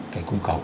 cái cung cầu